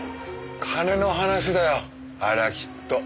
金の話だよあれはきっと。